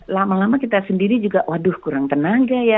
lama lama kita sendiri juga waduh kurang tenaga ya